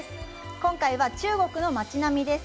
今回は中国の街並みです。